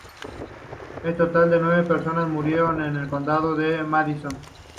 En total, nueve personas murieron en el condado de Madison.